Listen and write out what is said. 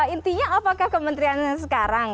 intinya apakah kementeriannya sekarang